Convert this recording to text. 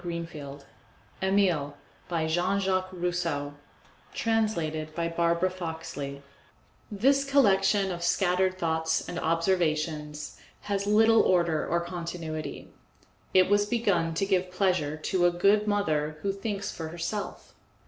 EMILE By Jean Jacques Rousseau Translated by Barbara Foxley Author's Preface This collection of scattered thoughts and observations has little order or continuity; it was begun to give pleasure to a good mother who thinks for herself.